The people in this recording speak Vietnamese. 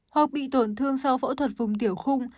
hoặc bị tổn thương sau phẫu thuật vùng tiểu khung